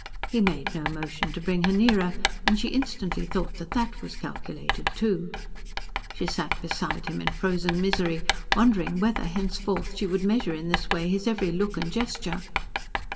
He made no motion to bring her nearer, and she instantly thought that that was calculated too. She sat beside him in frozen misery, wondering whether, henceforth, she would measure in this way his every look and gesture.